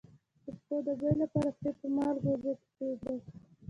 د پښو د بوی لپاره پښې په مالګه اوبو کې کیږدئ